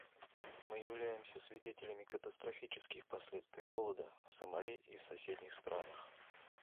Мы являемся свидетелями катастрофических последствий голода в Сомали и в соседних странах.